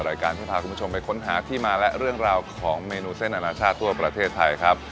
รายการที่พาคุณผู้ชมไปค้นหาที่มาและเรื่องราวของเมนูเส้นอนาชาติทั่วประเทศไทยครับ